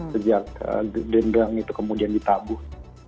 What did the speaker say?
sejak dendam itu kemudian ditabuh